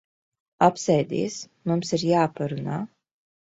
Apsēdies. Mums ir jāparunā.